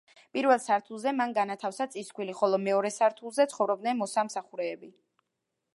პირველ სართულზე მან განათავსა წისქვილი, ხოლო მეორე სართულზე ცხოვრობდნენ მოსამსახურეები.